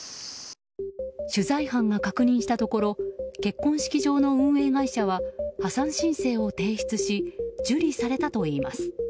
取材班が確認したところ結婚式場の運営会社は破産申請を申請し受理されたということです。